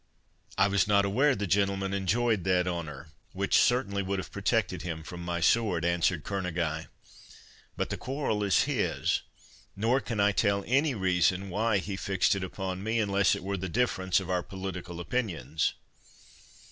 "I was not aware the gentleman enjoyed that honour, which certainly would have protected him from my sword," answered Kerneguy. "But the quarrel is his; nor can I tell any reason why he fixed it upon me, unless it were the difference of our political opinions."